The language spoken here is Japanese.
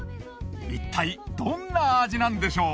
いったいどんな味なんでしょう？